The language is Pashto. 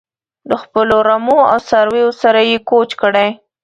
له خپلو رمو او څارویو سره یې کوچ کړی.